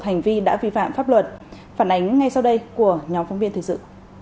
hành vi đã vi phạm pháp luật phản ánh ngay sau đây của nhóm phóng viên thời sự